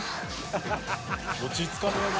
「落ち着かねえな」